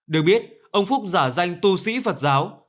được biết ông phúc giả danh tu sĩ phật giáo